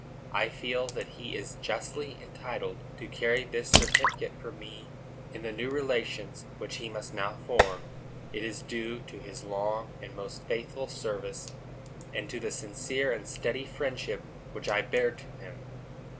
I feel that he is justly entitled to carry this certificate from me in the new relations which he must now form; it is due to his long and most faithful services, and to the sincere and steady friendship which I bear to him.